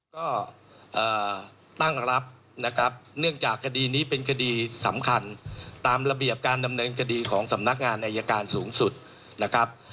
ก็ตั้งรับนะครับเนื่องจากคดีนี้เป็นคดีสำคัญตามระเบียบการดำเนินคดีของสำนักงานอายการสูงสุดนะครับ